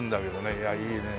いやいいねえ。